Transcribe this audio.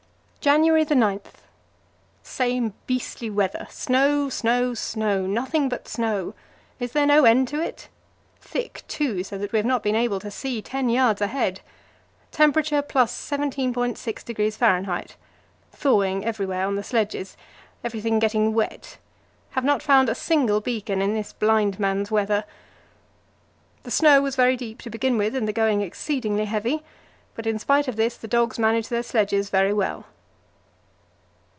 January 9. "Same beastly weather; snow, snow, snow, nothing but snow. Is there no end to it? Thick too, so that we have not been able to see ten yards ahead. Temperature + 17.6° F. Thawing everywhere on the sledges. Everything getting wet. Have not found a single beacon in this blind man's weather. The snow was very deep to begin with and the going exceedingly heavy, but in spite of this the dogs managed their sledges very well."